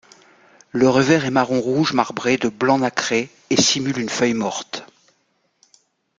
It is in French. Le revers est marron rouge marbré de blanc nacré et simule une feuille morte.